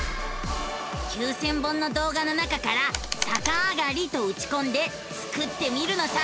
９，０００本の動画の中から「さかあがり」とうちこんでスクってみるのさ！